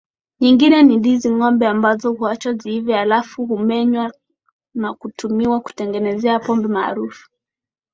nyingine ni ndizi ngombe ambazo huachwa ziive halafu humenywa na kutumiwa kutengenezea pombe maarufu